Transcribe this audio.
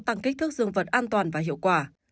tăng kích thước dương vật an toàn và hiệu quả